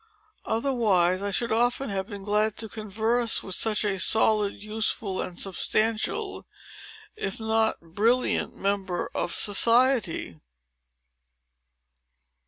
Otherwise, I should often have been glad to converse with such a solid, useful, and substantial, if not brilliant member of society."